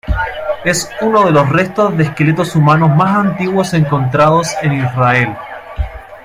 Es uno de los restos de esqueletos humanos más antiguos encontrados en Israel.